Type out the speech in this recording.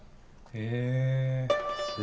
へえ